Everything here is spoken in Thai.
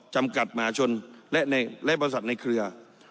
จำกัดมหาชนและบริษัทในเครือ